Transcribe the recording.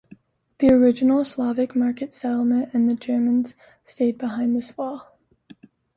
The original Slovak market settlement and the Germans stayed behind this wall.